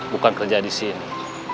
bukan kerja di sini